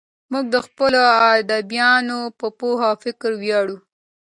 موږ د خپلو ادیبانو په پوهه او فکر ویاړو.